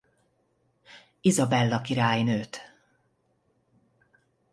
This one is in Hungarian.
Izabella királynőt.